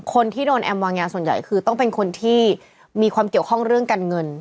คนที่โดนแอมวางยาส่วนใหญ่คือต้องเป็นคนที่มีความเกี่ยวข้องเรื่องการเงิน